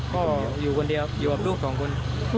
ก็อยู่คนเดียวอยู่กับลูกสองคน